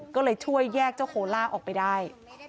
ก็เลยช่วยแยกเจ้าโคล่าออกไปได้